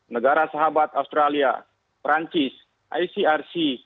negara sahabat australia perancis icrc